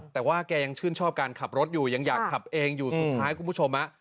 แต่ว่าแกยังชื่นชอบการขับรถอยู่ยังอยากขับเองอยู่สุดท้ายคุณผู้ชม